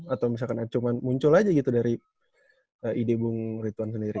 atau misalkan cuma muncul aja gitu dari ide bung rituan sendiri